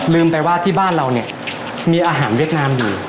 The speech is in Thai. ลืมไปว่าที่บ้านเรามีอาหารเวียดนามอยู่